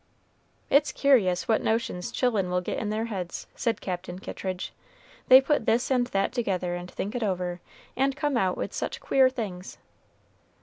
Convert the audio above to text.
"It's curious what notions chil'en will get in their heads," said Captain Kittridge. "They put this and that together and think it over, and come out with such queer things."